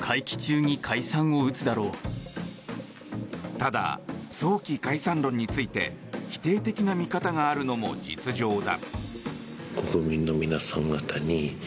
ただ、早期解散論について否定的な見方があるのも実情だ。